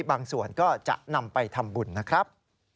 บางส่วนก็จะนำไปทำบุญนะครับ